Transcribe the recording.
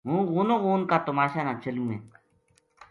ہوں غونو غون کا تماشا نا چلوں ہے